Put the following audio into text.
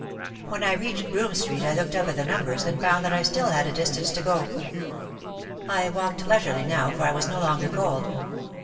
When I reached Broome Street I looked up at the numbers and found that I still had a distance to go. I walked leisurely now for I was no longer cold.